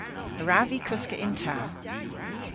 A wrav vy koska yn ta?